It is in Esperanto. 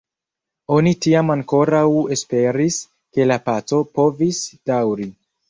Oni tiam ankoraŭ esperis, ke la paco povis daŭri.